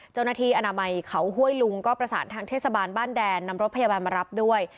เจ้าหน้าที่อนามัยเขาห้วยลุงก็ประสานทางเทศบาลบ้านแดนนำรถพยาบาลมารับด้วย